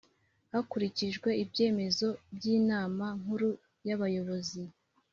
Hakurikijwe ibyemezo by inama nkuru ya bayobozi